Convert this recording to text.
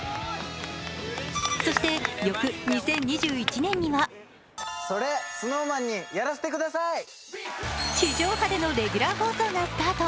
そして翌２０２１年には地上波でのレギュラー放送がスタート。